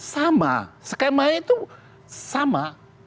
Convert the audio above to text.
sama skemanya itu sama